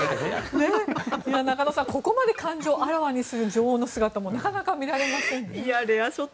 中野さん、ここまで感情をあらわにする女王の姿もなかなか見られませんね。